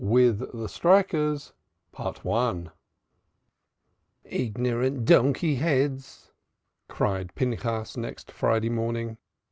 WITH THE STRIKERS. "Ignorant donkey heads!" cried Pinchas next Friday morning.